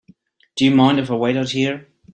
Do you mind if I wait out here?